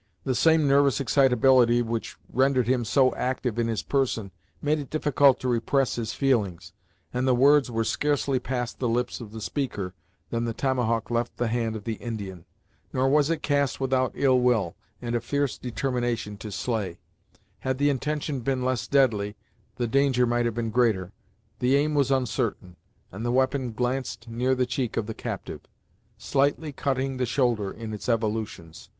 The same nervous excitability which rendered him so active in his person, made it difficult to repress his feelings, and the words were scarcely past the lips of the speaker than the tomahawk left the hand of the Indian. Nor was it cast without ill will, and a fierce determination to slay. Had the intention been less deadly, the danger might have been greater. The aim was uncertain, and the weapon glanced near the cheek of the captive, slightly cutting the shoulder in its evolutions.